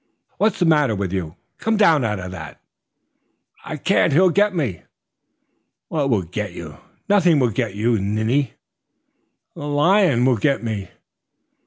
What's the matter with you? Come down out of that." "I can't. He'll get me." "What will get you? Nothing will get you, you ninny!" "The lion will get me."